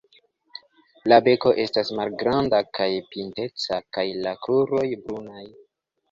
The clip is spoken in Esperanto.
La beko estas malgranda kaj pinteca kaj la kruroj brunaj.